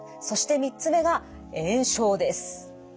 そして３つ目が炎症です。